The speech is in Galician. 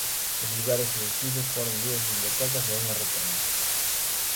Os lugares elixidos foron dúas bibliotecas e unha rotonda.